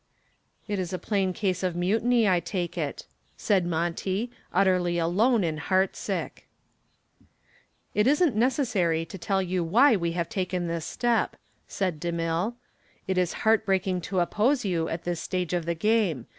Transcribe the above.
"It is a plain case of mutiny, I take it," said Monty, utterly alone and heart sick. "It isn't necessary to tell you why we have taken this step," said DeMille. "It is heart breaking to oppose you at this stage of the game.